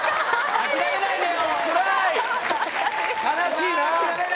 悲しいな！